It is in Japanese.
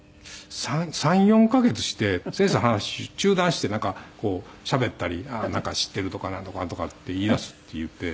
３４カ月して先生の話中断してなんかしゃべったり知っているとかなんとかかんとかって言い出すっていって。